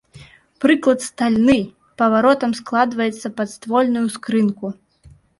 Прыклад стальны, паваротам складваецца пад ствольную скрынку.